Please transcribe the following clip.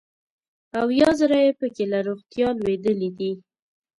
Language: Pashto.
اویا زره یې پکې له روغتیا لوېدلي دي.